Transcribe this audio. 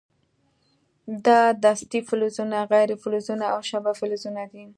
دا دستې فلزونه، غیر فلزونه او شبه فلزونه دي.